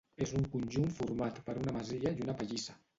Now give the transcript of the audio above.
És un conjunt format per una masia i una pallissa.